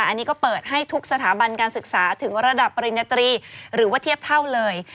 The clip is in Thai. อันนี้ก็เปิดให้ทุกสถาบันการศึกษาถึงระดับปริญญาตรีหรือว่าเทียบเท่าเลย